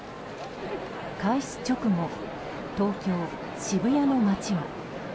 開始直後、東京・渋谷の街は。